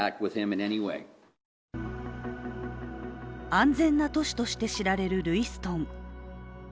安全な都市として知られるルイストン。